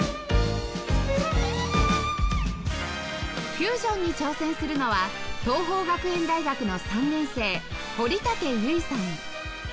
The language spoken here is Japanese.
フュージョンに挑戦するのは桐朋学園大学の３年生堀竹優衣さん